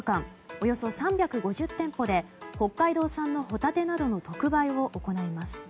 およそ３５０店舗で北海道産のホタテなどの特売を行います。